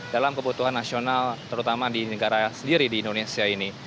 dalam kebutuhan nasional terutama di negara sendiri di indonesia ini